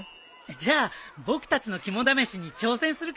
じゃあ僕たちの肝試しに挑戦するかい？